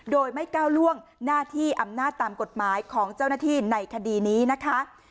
โดยไม่ก้าวล่วงหน้าที่อำนาจตามกฎหมายของเจ้าหน้าที่ในคดีนี้นะคะ